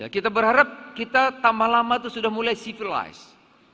kita berharap kita tambah lama itu sudah mulai civilized